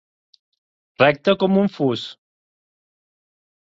Recte com un fus.